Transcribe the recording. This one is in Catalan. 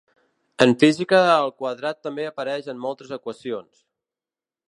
En física el quadrat també apareix en moltes equacions.